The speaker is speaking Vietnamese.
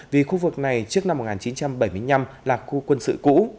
vì khu vực này trước năm một nghìn chín trăm bảy mươi năm là khu quân sự cũ